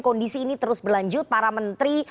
kondisi ini terus berlanjut para menteri